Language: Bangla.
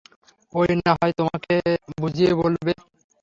ওই নাহয় তোমাকে বুঝিয়ে বলবে।